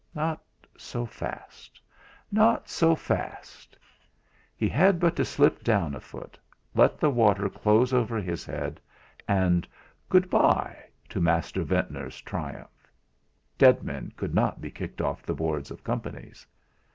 Not so fast not so fast! He had but to slip down a foot, let the water close over his head, and "Good bye" to Master Ventnor's triumph Dead men could not be kicked off the Boards of Companies.